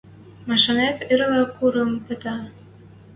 Машанет, ирлӓ курым пӹтӓ.